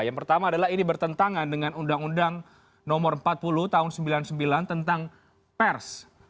yang pertama adalah ini bertentangan dengan undang undang nomor empat puluh tahun sembilan puluh sembilan tentang pers